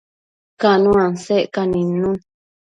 Cano asecca nidnun